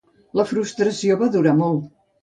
La frustració va durar molt.